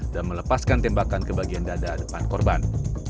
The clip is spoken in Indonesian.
dan melepaskan tembakan ke bagian dada depan korban